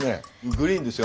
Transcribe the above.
グリーンですよ。